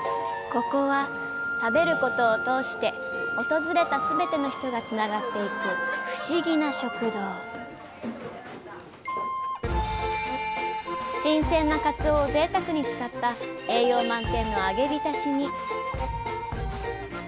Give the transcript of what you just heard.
ここは「食べること」を通して訪れたすべての人がつながっていく新鮮な鰹をぜいたくに使った栄養満点の揚げびたしに。